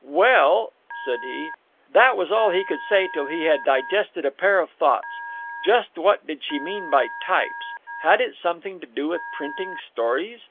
"Well—" said he. That was all he could say till he had digested a pair of thoughts: Just what did she mean by "types"? Had it something to do with printing stories?